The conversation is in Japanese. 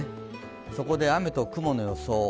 そこで、雨と雲の予想。